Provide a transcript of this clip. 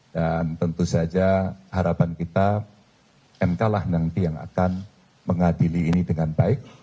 dan tentu saja harapan kita mk lah nanti yang akan mengadili ini dengan baik